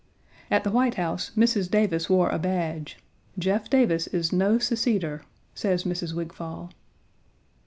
"At the White House Mrs. Davis wore a badge. Jeff Davis is no seceder," says Mrs. Wigfall.